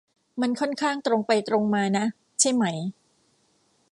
มันค่อนข้างตรงไปตรงมานะ ใช่ไหม